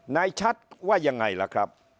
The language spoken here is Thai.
ชัดว่ายังไงล่ะครับ